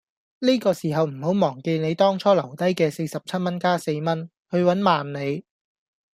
呢個時候唔好忘記你當初留低既四十七蚊加四蚊，去搵萬里